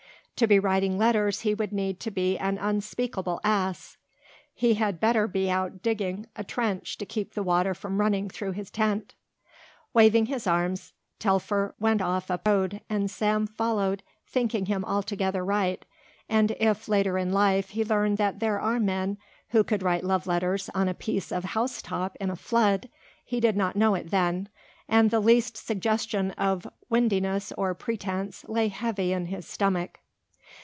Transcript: To be writing letters he would need to be an unspeakable ass. He had better be out digging a trench to keep the water from running through his tent." Waving his arms, Telfer went off up the road and Sam followed thinking him altogether right, and, if later in life he learned that there are men who could write love letters on a piece of housetop in a flood, he did not know it then and the least suggestion of windiness or pretence lay heavy in his stomach.